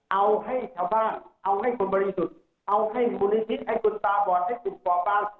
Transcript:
เอาให้ชาวบ้านเอาให้คนบริสุทธิ์เอาให้บุริษฐ์ให้คุณตาบอสให้คุณป่อปาง